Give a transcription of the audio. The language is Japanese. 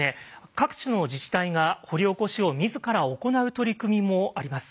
各地の自治体が掘り起こしを自ら行う取り組みもあります。